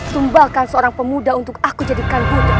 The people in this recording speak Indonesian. tumbalkan seorang pemuda untuk aku jadikan budak